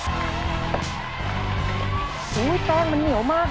ทรักว่าจะได้จบแล้วก็เปยี่ยนดูข้อมูล